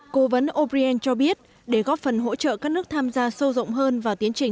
cố vấn o brien cho biết để góp phần hỗ trợ các nước tham gia sâu rộng hơn vào tiến trình